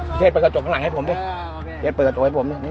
พี่เทศเปิดกระจกข้างหลังให้ผมด้วยพี่เทศเปิดกระจกให้ผมด้วยนี่